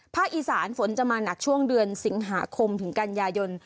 อีสานฝนจะมาหนักช่วงเดือนสิงหาคมถึงกันยายน